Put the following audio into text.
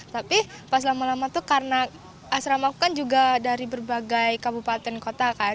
tapi pas lama lama tuh karena asrama aku kan juga dari berbagai kabupaten kota kan